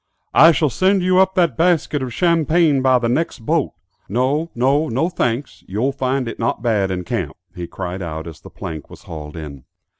"I shall send you up that basket of champagne by the next boat; no, no; no thanks; you'll find it not bad in camp," he cried out as the plank was hauled in.